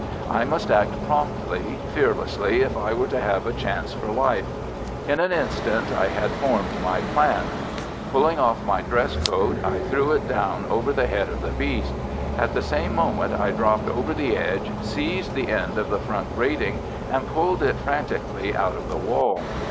I must act promptly, fearlessly, if I were to have a chance for life. In an instant I had formed my plan. Pulling off my dress coat, I threw it down over the head of the beast. At the same moment I dropped over the edge, seized the end of the front grating, and pulled it frantically out of the wall.